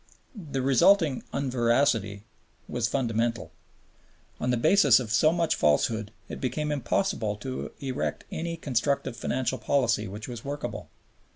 The resulting unveracity was fundamental. On a basis of so much falsehood it became impossible to erect any constructive financial policy which was workable.